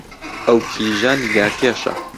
ئەو کیژە نیگارکێشە